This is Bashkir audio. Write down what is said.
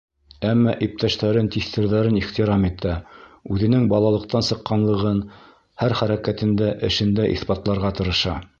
Әммә иптәштәрен, тиҫтерҙәрен ихтирам итә, үҙенең балалыҡтан сыҡҡанлығын һәр хәрәкәтендә, эшендә иҫбатларға тырыша.